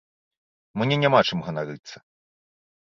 Мне няма чым ганарыцца.